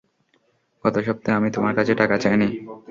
গত সপ্তাহে, আমি তোমার কাছে টাকা চাইনি।